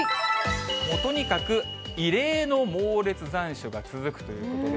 もうとにかく異例の猛烈残暑が続くということで。